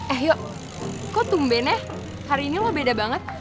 eh yuk kok tumbennya hari ini lo beda banget